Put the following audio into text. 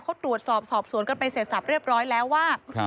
เขาตรวจสอบสอบสวนกันไปเสร็จสับเรียบร้อยแล้วว่า